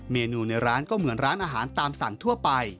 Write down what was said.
เมนูในร้านก็เหมือนร้านอาหารตามสั่งทั่วไป